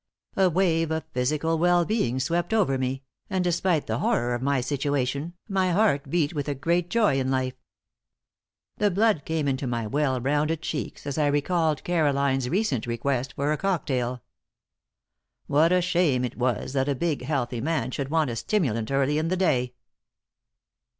A wave of physical well being swept over me, and, despite the horror of my situation, my heart beat with a great joy in life. The blood came into my well rounded cheeks, as I recalled Caroline's recent request for a cocktail. What a shame it was that a big, healthy man should want a stimulant early in the day!